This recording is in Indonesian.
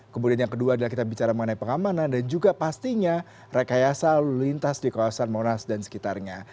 kemudian yang kedua adalah kita bicara mengenai pengamanan dan juga pastinya rekayasa lalu lintas di kawasan monas dan sekitarnya